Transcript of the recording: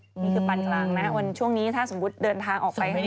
นี่คือปานกลางนะช่วงนี้ถ้าสมมุติเดินทางออกไป